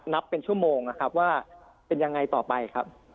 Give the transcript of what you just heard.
นับเป็นชั่วโมงนะครับว่าเป็นยังไงต่อไปครับ